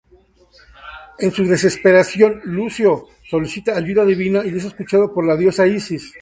En su desesperación, Lucio solicita ayuda divina y es escuchado por la diosa Isis.